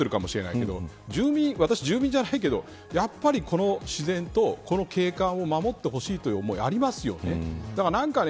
つまり住民の方も問題を持ってるかもしれないけど私は住民じゃないけどやっぱりこの自然と景観を守ってほしいという思いはありますよね。